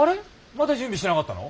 まだ準備してなかったの？